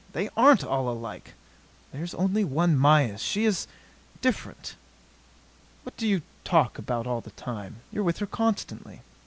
"They aren't all alike. There's only one Mayis. She is different." "What do you talk about all the time? You're with her constantly."